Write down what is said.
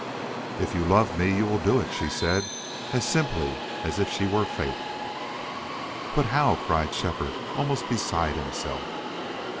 "If you love me you will do it," she said, as simply as if she were fate. "But how?" cried Shefford, almost beside himself.